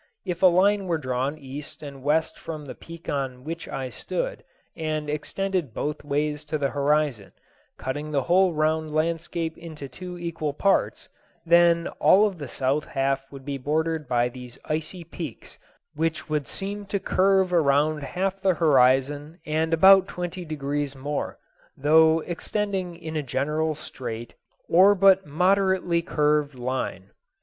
If a line were drawn east and west from the peak on which I stood, and extended both ways to the horizon, cutting the whole round landscape in two equal parts, then all of the south half would be bounded by these icy peaks, which would seem to curve around half the horizon and about twenty degrees more, though extending in a general straight, or but moderately curved, line.